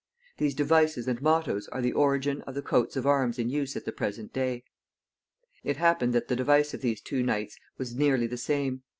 These devices and mottoes are the origin of the coats of arms in use at the present day. It happened that the device of these two knights was nearly the same.